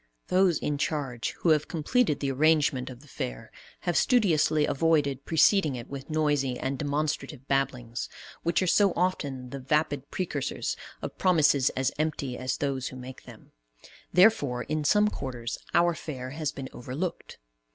Those in charge, who have completed the arrangement of the Fair, have studiously avoided preceding it with noisy and demonstrative babblings, which are so often the vapid precursors of promises as empty as those who make them; therefore, in some quarters, our Fair has been overlooked.